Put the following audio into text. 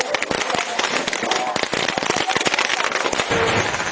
ขอให้ท่านเล่นอยู่ข้างหลังด้วยนะครับ